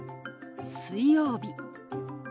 「水曜日」。